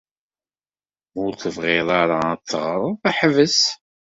Ma ur tebɣiḍ ara ad teɣṛeḍ, ḥbes.